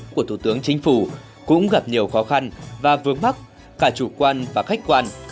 của thủ tướng chính phủ cũng gặp nhiều khó khăn và vướng mắt cả chủ quan và khách quan